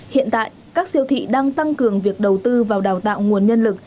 hiện tại các siêu thị đang tăng cường việc đầu tư vào đào tạo nguồn nhân lực